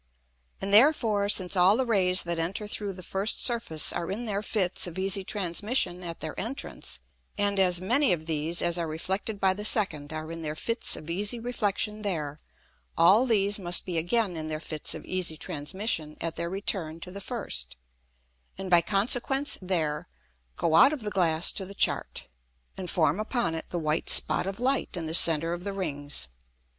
And therefore since all the Rays that enter through the first Surface are in their Fits of easy Transmission at their entrance, and as many of these as are reflected by the second are in their Fits of easy Reflexion there, all these must be again in their Fits of easy Transmission at their return to the first, and by consequence there go out of the Glass to the Chart, and form upon it the white Spot of Light in the center of the Rings.